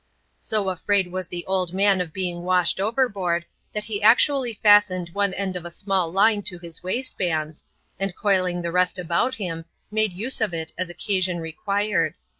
So afraid was the old man of being washed overboard, that he actually fastened one end of a small line to his waistbands, and coiling the rest about him, made use of it as occasion required.